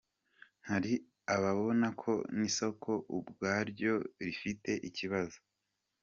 Hari ababona ko n’isoko ubwaryo rifite ikibazo.